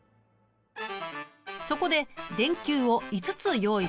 そこで電球を５つ用意した。